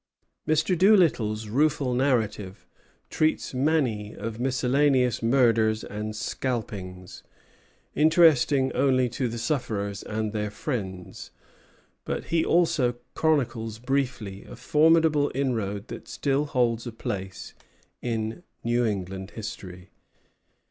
Mr. Doolittle's rueful narrative treats mainly of miscellaneous murders and scalpings, interesting only to the sufferers and their friends; but he also chronicles briefly a formidable inroad that still holds a place in New England history.